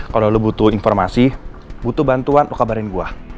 kalau lo butuh informasi butuh bantuan lo kabarin gue